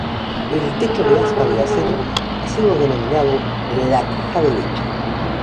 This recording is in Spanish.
El techo de aspa de acero ha sido denominado "la caja de leche".